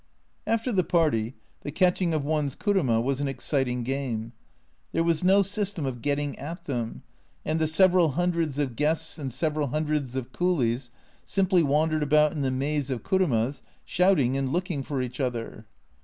After the party the catching of one's kuruma was an exciting game ; there was no system of getting at them, and the several hundreds of guests and several hundreds of coolies simply wandered about in the maze of kurumas shouting and looking for each other.